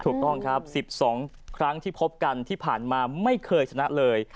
ถึง๑๒ครั้งที่พบกันที่ผ่านมาไม่เคยชนะเลย